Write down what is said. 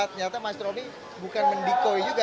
ternyata mas romy bukan mendikoi juga